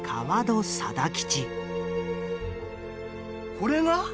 「これが？